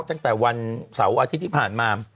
ตั้งแต่วันเสาร์อาทิตย์ที่ผ่านมา